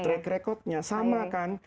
track recordnya sama kan